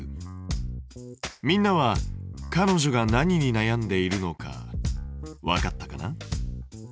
みんなはかのじょが何になやんでいるのかわかったかな？